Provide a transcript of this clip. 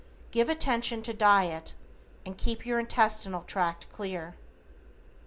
Give attention to diet, and keep your intestinal tract clear.